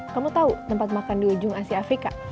kamu tahu tempat makan di ujung asia afrika